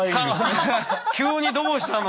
急にどうしたの？